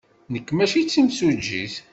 Nekk maci d timsujjit.